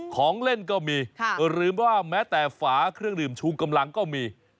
ของเล่นก็มีหรือว่าแม้แต่ฝาเครื่องดื่มชูกำลังก็มี